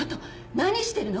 何してるの？